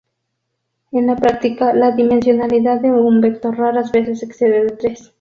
En la práctica, la dimensionalidad de un vector raras veces excede de tres.